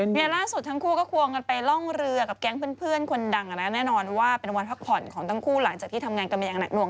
เนี่ยล่าสุดทั้งคู่ก็ควงกันไปล่องเรือกับแก๊งเพื่อนคนดังแน่นอนว่าเป็นวันพักผ่อนของทั้งคู่หลังจากที่ทำงานกันมาอย่างหนักหน่